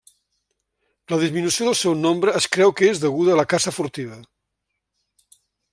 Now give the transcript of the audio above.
La disminució del seu nombre es creu que és deguda a la caça furtiva.